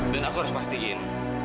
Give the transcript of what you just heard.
dan aku harus pastikan